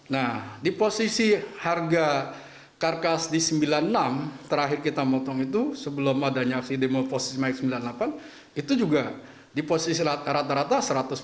nah di posisi harga karkas di sembilan puluh enam terakhir kita motong itu sebelum adanya aksi demo posisi naik sembilan puluh delapan itu juga di posisi rata rata satu ratus dua puluh